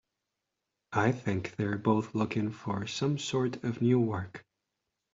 I think they're both looking for some sort of new work.